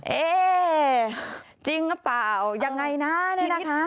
เอ๊ะจริงหรือเปล่าอย่างไรนะนะคะ